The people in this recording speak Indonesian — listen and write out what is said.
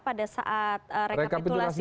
pada saat rekapitulasi